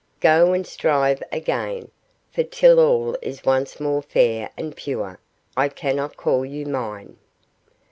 Go and strive again, for till all is once more fair and pure, I cannot call you mine."